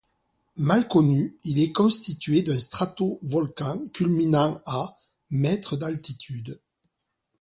Mal connu, il est constitué d'un stratovolcan culminant à mètres d'altitude.